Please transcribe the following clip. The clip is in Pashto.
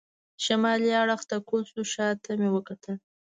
شمالي اړخ ته کوز شو، شا ته مې وکتل.